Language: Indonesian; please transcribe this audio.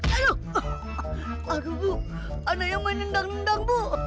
aduh aduh bu ada yang main nendang nendang bu